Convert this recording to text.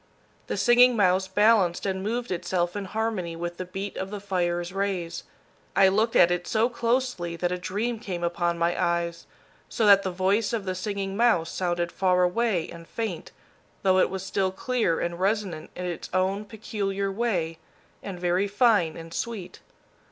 The Singing Mouse balanced and moved itself in harmony with the beat of the fire's rays. I looked at it so closely that a dream came upon my eyes, so that the voice of the Singing Mouse sounded far away and faint, though it was still clear and resonant in its own peculiar way and very fine and sweet.